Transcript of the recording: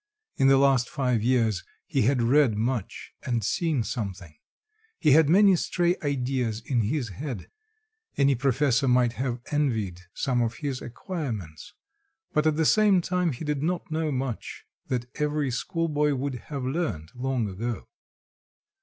In the last five years he had read much and seen something; he had many stray ideas in his head; any professor might have envied some of his acquirements, but at the same time he did not know much that every schoolboy would have learnt long ago.